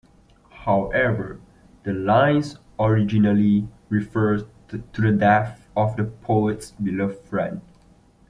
However, the lines originally referred to the death of the poet's beloved friend.